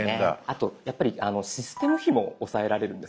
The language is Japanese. あとやっぱりシステム費も抑えられるんですね。